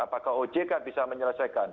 apakah ojk bisa menyelesaikan